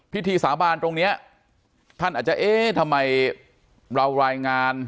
พิธีสาบานตรงนี้ท่านอาจจะเอ๊ะทำไมเรารายงาน